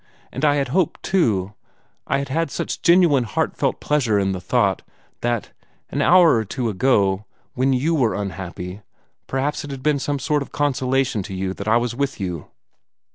And I had hoped, too I had had such genuine heartfelt pleasure in the thought that, an hour or two ago, when you were unhappy, perhaps it had been some sort of consolation to you that I was with you."